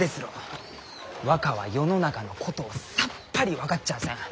若は世の中のことをさっぱり分かっちゃあせん。